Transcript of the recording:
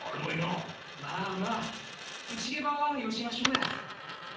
まあまあ内ゲバはよしましょうや。